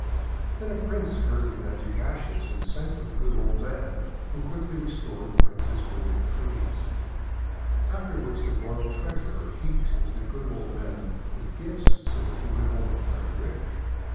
Then a Prince heard of the magic ashes, and sent for the good old man, who quickly restored the Prince's withered trees. After which the DAUGHTER OF THE LAUREL 317 royal treasurer heaped the good old man with gifts, so that he went home very rich.